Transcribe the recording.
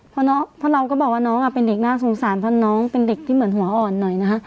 เพราะเราก็บอกว่าน้องเป็นเด็กน่าสงสารเพราะน้องเป็นเด็กที่เหมือนหัวอ่อนหน่อยนะคะ